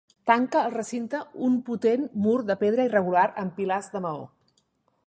Tanca el recinte un potent mur de pedra irregular amb pilars de maó.